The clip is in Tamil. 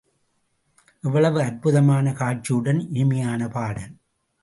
எவ்வளவு அற்புதமான காட்சியுடன், இனிமையான பாடல்.